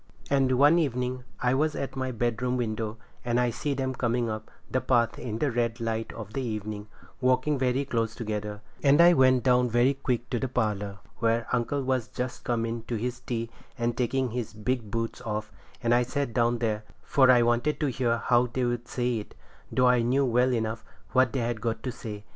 And one evening I was at my bedroom window, and I see them coming up the path in the red light of the evening, walking very close together, and I went down very quick to the parlour, where uncle was just come in to his tea and taking his big boots off, and I sat down there, for I wanted to hear how they'd say it, though I knew well enough what they had got to say.